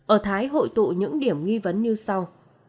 ở thái hội tụ những điểm nghi vấn như sau